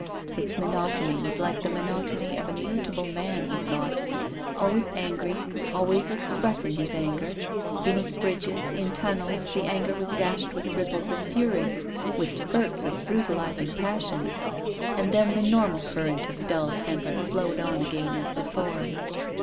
Its monotony was like the monotony of an irritable man, he thought, always angry, always expressing his anger. Be neath bridges, in tunnels, the anger was dashed with ripples of fury, with spurts of brutalising passion. And then the normal current of dull temper flowed on again as before.